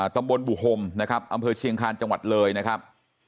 ตำบลบุหมนะครับอำเภอเชียงคาญจังหวัดเลยนะครับ